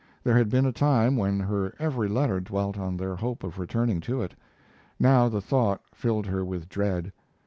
There had been a time when her every letter dwelt on their hope of returning to it. Now the thought filled her with dread.